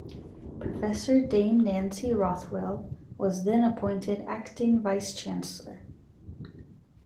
Professor Dame Nancy Rothwell was then appointed acting Vice Chancellor.